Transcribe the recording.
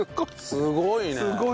すごいな。